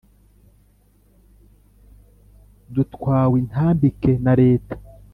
Dutwawe intambike na leta